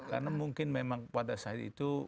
karena mungkin memang pada saat itu